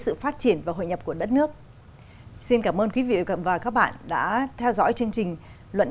sự phát triển và hội nhập của đất nước xin cảm ơn quý vị và các bạn đã theo dõi chương trình luận